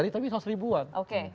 tapi sos ribuan